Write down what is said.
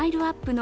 の